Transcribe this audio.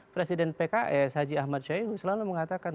presiden pks haji ahmad syaihu selalu mengatakan